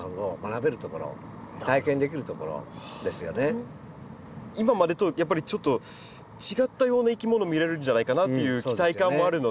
だから自然豊かな今までとやっぱりちょっと違ったようないきもの見れるんじゃないかなっていう期待感もあるので。